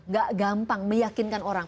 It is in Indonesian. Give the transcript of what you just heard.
nggak gampang meyakinkan orang